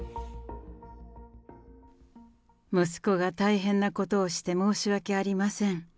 息子が大変なことをして申し訳ありません。